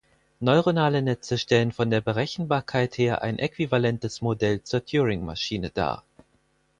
Neuronale Netze stellen von der Berechenbarkeit her ein äquivalentes Modell zur Turingmaschine dar.